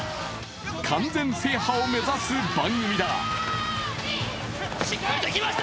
完全制覇を目指す番組だ。